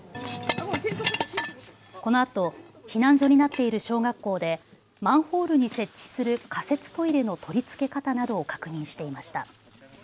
このあと、避難所になっている小学校で、マンホールに設置する仮設トイレの取り付け方などを確認していました。